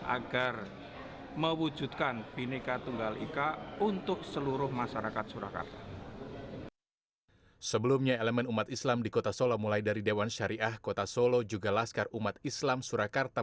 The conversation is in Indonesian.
agar mewujudkan bineka tunggal ika untuk seluruh masyarakat surakarta